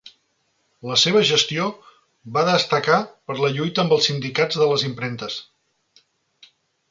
La seva gestió va destacar per les lluites amb els sindicats de les impremtes.